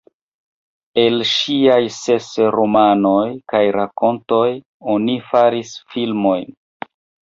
El ŝiaj ses romanoj kaj rakontoj oni faris filmojn.